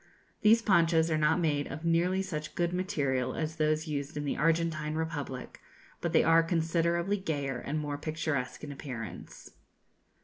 These ponchos are not made of nearly such good material as those used in the Argentine Republic, but they are considerably gayer and more picturesque in appearance.